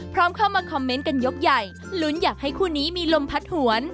พร้อมเข้ามาคอมเมนต์กันยกใหญ่ลุ้นอยากให้คู่นี้มีลมพัดหวน